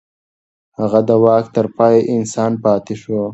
هغه د واک تر پای انسان پاتې شو.